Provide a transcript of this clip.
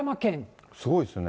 すごいですね。